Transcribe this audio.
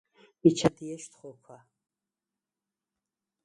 მიჩა დიეშდ ხოქვა: